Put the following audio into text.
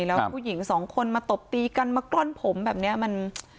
แล้วผู้หญิงสองคนมาตบตีกันมากล้อนผมแบบนี้มัน